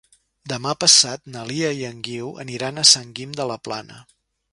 Demà passat na Lia i en Guiu aniran a Sant Guim de la Plana.